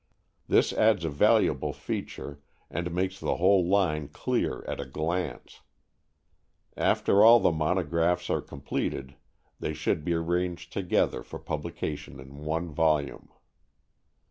This adds a valuable feature, and makes the whole line clear at a glance. After all the monographs are completed, they should be arranged together for publication in one volume.